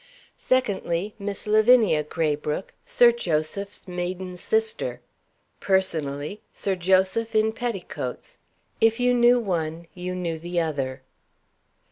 Secondly, Miss Lavinia Graybrooke, Sir Joseph's maiden sister. Personally, Sir Joseph in petticoats. If you knew one you knew the other.